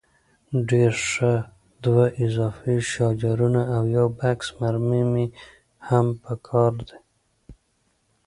ډېر ښه، دوه اضافي شاجورونه او یو بکس مرمۍ مې هم په کار دي.